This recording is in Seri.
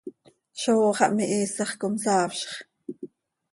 ¡Zóo xah mihiisax com saafzx!